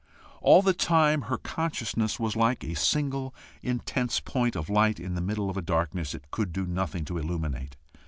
All the time her consciousness was like a single intense point of light in the middle of a darkness it could do nothing to illuminate.